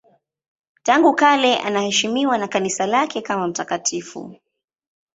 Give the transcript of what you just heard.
Tangu kale anaheshimiwa na Kanisa lake kama mtakatifu.